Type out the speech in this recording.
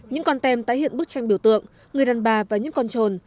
những con tem tái hiện bức tranh biểu tượng người đàn bà và những con trồn